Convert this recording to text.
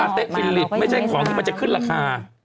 เต๊ะฟิลิปไม่ใช่ของที่มันจะขึ้นราคา